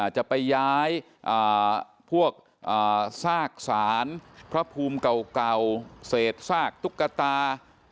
จะไปย้ายพวกซากสารพระภูมิเก่าเศษซากตุ๊กตา